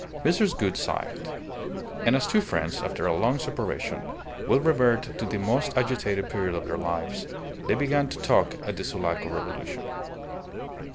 Mrs. Gould sighed. And as two friends, after a long separation, will revert to the most agitated period of their lives, they began to talk of the Sulaco Revolution.